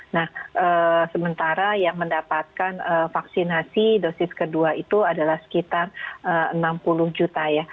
nah sementara yang mendapatkan vaksinasi dosis kedua itu adalah sekitar enam puluh juta ya